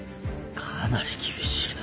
かなり厳しいな。